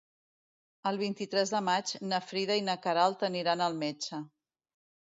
El vint-i-tres de maig na Frida i na Queralt aniran al metge.